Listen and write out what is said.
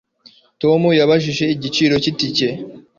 Tom yabajije igiciro cyitike